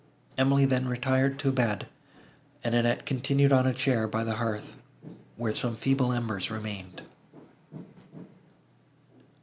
Emily then retired to bed, and Annette continued on a chair by the hearth, where some feeble embers remained.